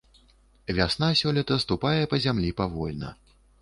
Вясна сёлета ступае па зямлі павольна.